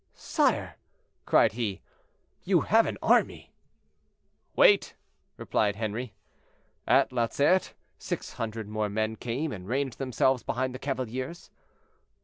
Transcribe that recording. "Sire!" cried he, "you have an army." "Wait!" replied Henri. At Lauzerte, six hundred more men came and ranged themselves behind the cavaliers.